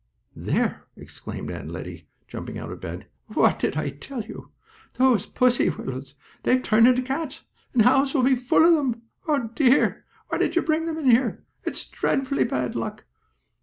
Mew!" "There!" exclaimed Aunt Lettie, jumping out of bed. "What did I tell you? Those pussy willows have turned into cats, and the house will be full of them! Oh, dear! Why did you bring them in here? It's dreadfully bad luck!"